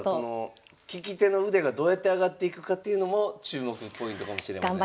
聞き手の腕がどうやって上がっていくかっていうのも注目ポイントかもしれません。